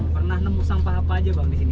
pernah nemu sampah apa aja bang di sini